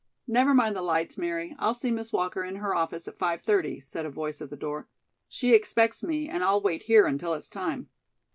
"Never mind the lights, Mary. I'll see Miss Walker in her office at five thirty," said a voice at the door. "She expects me and I'll wait here until it's time."